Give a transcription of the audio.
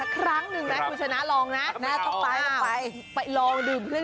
ใครคาเฟ่นี้อ